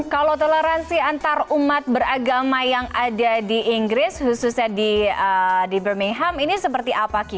kalau toleransi antar umat beragama yang ada di inggris khususnya di birmingham ini seperti apa ki